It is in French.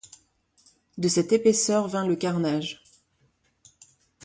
De cette épaisseur vint le carnage.